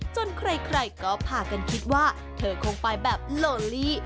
ใครก็พากันคิดว่าเธอคงไปแบบโลลี่